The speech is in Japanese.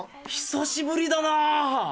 久しぶりだな！